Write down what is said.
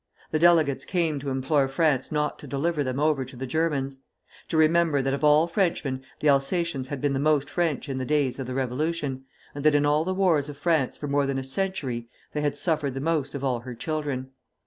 The delegates came to implore France not to deliver them over to the Germans; to remember that of all Frenchmen the Alsatians had been the most French in the days of the Revolution, and that in all the wars of France for more than a century they had suffered most of all her children.